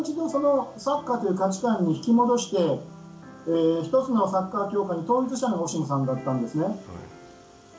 これをもう一度サッカーという価値観に引き戻して一つのサッカー協会に統一したのがオシムさんだったんですね。